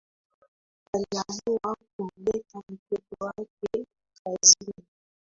Aliamua kumleta mtoto wake kazini